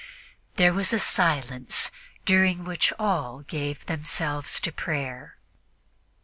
There was a silence during which all gave themselves to prayer.